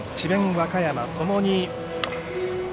和歌山ともに。